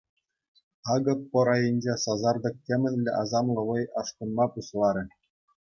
Акӑ пӑр айӗнче сасартӑк темӗнле асамлӑ вӑй ашкӑнма пуҫларӗ.